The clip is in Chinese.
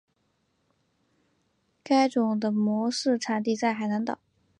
该物种的模式产地在海南岛。